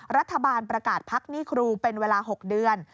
รัฐบาลประกาศพักหนี้ครูเป็นเวลา๖เดือน